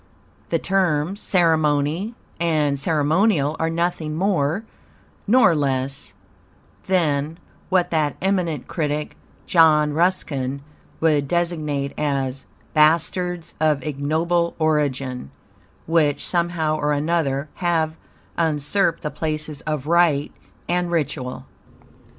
The terms "ceremony" and "ceremonial" are nothing more nor less than, what that eminent critic, John Ruskin, would designate as "bastards of ignoble origin," which, somehow or another, have usurped the places of "rite" and "ritual."